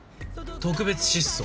特別失踪。